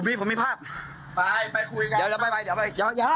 ผมมีผมมีภาพไปไปคุยกันเดี๋ยวเดี๋ยวไปไปเดี๋ยวไปอย่าอย่า